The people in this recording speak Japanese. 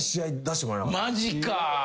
マジか。